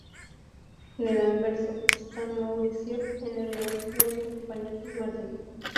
En el anverso, San Mauricio; en el reverso dos acompañantes mártires.